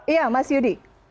iya mas yudi